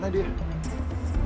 bagainda cempat unsur namanya